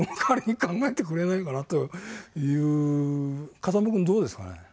風間君どうですかね？